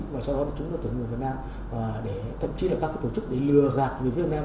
và sau đó chúng đã tổ chức người việt nam thậm chí là các tổ chức để lừa gạt người việt nam